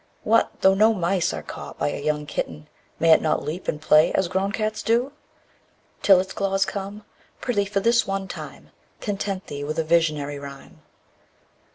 What, though no mice are caught by a young kitten, _5 May it not leap and play as grown cats do, Till its claws come? Prithee, for this one time, Content thee with a visionary rhyme.